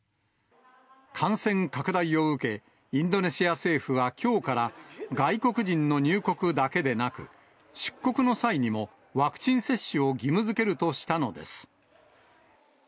感染拡大を受け、インドネシア政府はきょうから外国人の入国だけでなく、出国の際にも、ワクチン接種を義務づけるとしたのです。